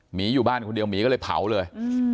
หมีอยู่บ้านคนเดียวหมีก็เลยเผาเลย